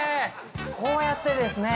こうやってですね